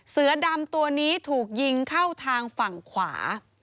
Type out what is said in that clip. เสือดำตัวนี้ถูกยิงเข้าทางฝั่งขวา